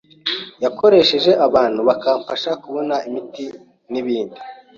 yakoresheje abantu bakamfasha kubona imiti n’ibindi